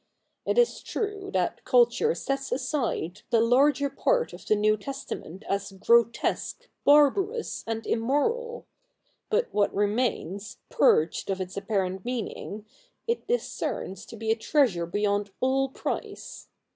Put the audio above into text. It is true that culture sets aside the larger part of the New Testament as grotesque, barbarous, and immoral ; but what remains, purged of its apparent meaning, it discerns to be a treasure beyond all price.